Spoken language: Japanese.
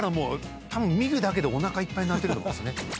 たぶん見るだけでおなかいっぱいになってると思うんすね。